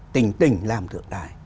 tỉnh tỉnh làm tượng đài